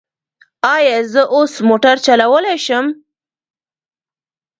ایا زه اوس موټر چلولی شم؟